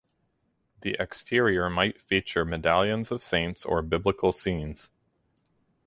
The exterior might feature medallions of saints or Biblical scenes.